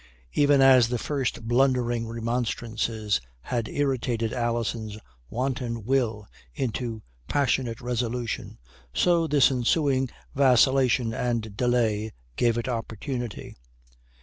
Even as the first blundering remonstrances had irritated Alison's wanton will into passionate resolution, so this ensuing vacillation and delay gave it opportunity.